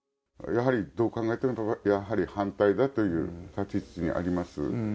やはりどう考えても、やはり反対だという立ち位置にあります。